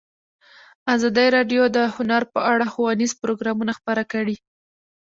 ازادي راډیو د هنر په اړه ښوونیز پروګرامونه خپاره کړي.